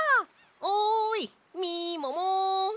おいみもも！